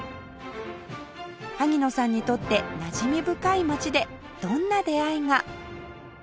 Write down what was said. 萩野さんにとってなじみ深い街でどんな出会いが？